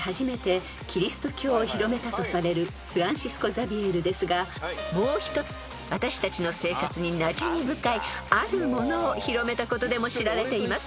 ［とされるフランシスコ・ザビエルですがもう１つ私たちの生活になじみ深いあるものを広めたことでも知られています］